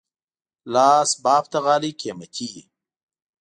لاس بافته غالۍ قیمتي وي.